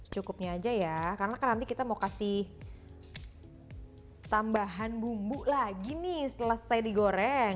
cukupnya aja ya karena kan nanti kita mau kasih tambahan bumbu lagi nih setelah saya digoreng